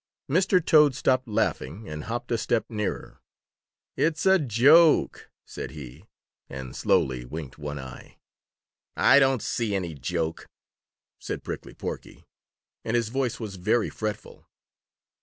Mr. Toad stopped laughing and hopped a step nearer. "It's a joke," said he, and slowly winked one eye. "I don't see any joke," said Prickly Porky, and his voice was very fretful.